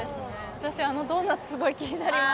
私あのドーナツすごい気になります